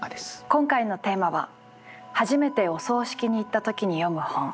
今回のテーマは「初めてお葬式に行った時に読む本」です。